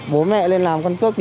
bố mẹ lên làm con cước